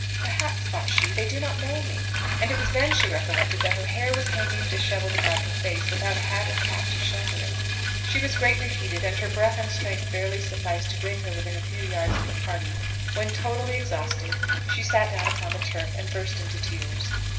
"Perhaps," thought she, "they do not know me;" and it was then she recollected that her hair was hanging dishevelled about her face without hat or cap to shelter it. She was greatly heated, and her breath and strength barely sufficed to bring her within a few yards of the party, when totally exhausted, she sat down upon the turf, and burst into tears.